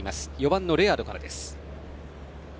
４番のレアードからです。